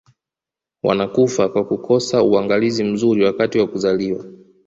wanakufa kwa kukosa uangalizi mzuri wakati wa kuzaliwa